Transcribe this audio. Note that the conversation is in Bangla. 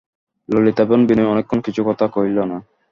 ললিতা এবং বিনয়ও অনেকক্ষণ কিছু কথা কহিল না।